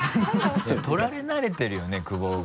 撮られ慣れてるよね久保が。